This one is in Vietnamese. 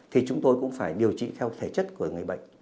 thì chúng tôi cũng phải điều trị theo thể chất của người bệnh